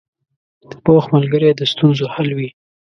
پوخ ملګری د ستونزو حل وي